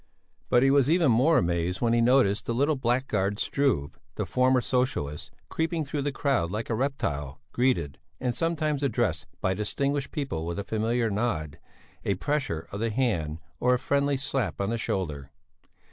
But he was even more amazed when he noticed the little blackguard Struve, the former Socialist, creeping through the crowd like a reptile, greeted, and sometimes addressed by distinguished people with a familiar nod, a pressure of the hand or a friendly slap on the shoulder.